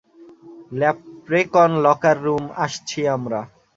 Leprechaun locker room, আসছি আমরা।